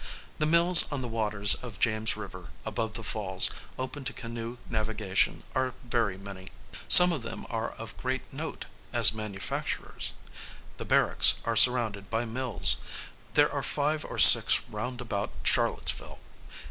The mills on the waters of James river, above the falls, open to canoe navigation, are very many. Some of them are of great note, as manufacturers. The barracks are surrounded by mills. There are five or six round about Charlottesville.